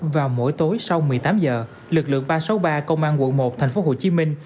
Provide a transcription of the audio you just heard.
vào mỗi tối sau một mươi tám giờ lực lượng ba trăm sáu mươi ba công an quận một thành phố hồ chí minh